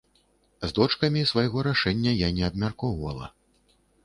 З дочкамі свайго рашэння я не абмяркоўвала.